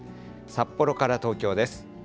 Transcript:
札幌から東京です。